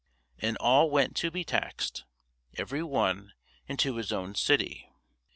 And all went to be taxed, every one into his own city.